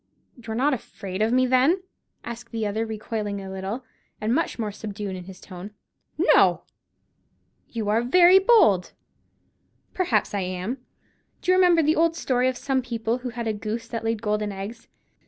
"You're not afraid of me, then?" asked the other, recoiling a little, and much more subdued in his tone. "No!" "You are very bold." "Perhaps I am. Do you remember the old story of some people who had a goose that laid golden eggs?